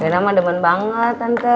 dari lama demen banget tante